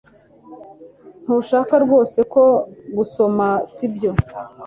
Ntushaka rwose ko ngusoma sibyo